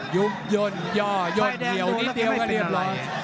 ยุบย่นย่อย่นเหี่ยวนิดเดียวก็เรียบร้อย